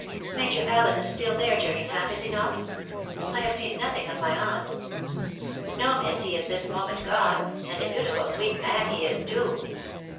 if Major Allen is still there, Jerningham, is he not ?.... I have seen nothing of my aunt." c( No, miss, he is this moment gone •••• and a beautiful, sweet man he is, too."